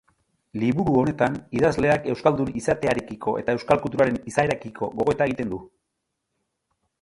Liburu honetan, idazleak euskaldun izatearekiko eta euskal kulturaren izaerarekiko gogoeta egiten du.